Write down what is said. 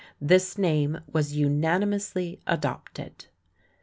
This name was unanimously adopted.